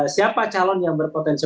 siapa calon yang berpotensi